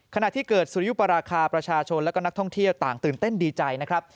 ขณะที่เกิดสุริยุปราคาประชาชนและก็นักท่องเที่ยวต่างตื่นเต้นดีใจนะครับ